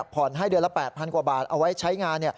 ผ่อนให้เดือนละ๘๐๐กว่าบาทเอาไว้ใช้งาน